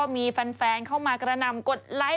มีแฟนเข้ามากระนำกดไลค์